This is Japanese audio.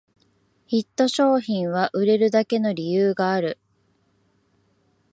ヒット商品は売れるだけの理由がある